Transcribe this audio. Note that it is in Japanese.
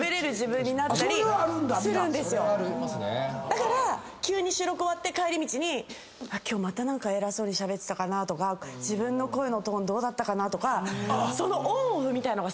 だから急に収録終わって帰り道に今日偉そうにしゃべってたかなとか自分の声のトーンどうだったかなとかその。